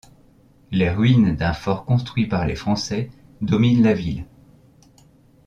Les ruines d'un fort construit par les Français dominent la ville.